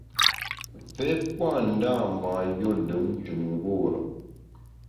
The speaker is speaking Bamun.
Mvé pua ndâ mâ yû lùmntùm ngure.